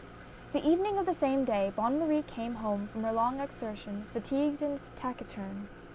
TT^HE evening of the same day Bonne Marie came JL home from her long excursion fatigued and taciturn.